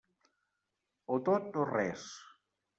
O tot o res.